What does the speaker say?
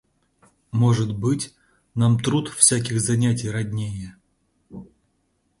Может быть, нам труд всяких занятий роднее.